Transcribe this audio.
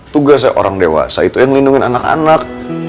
tugasnya orang dewasa itu yang melindungi anak anak